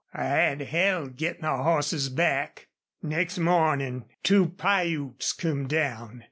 I had hell gittin' the hosses back. "Next mornin' two Piutes come down.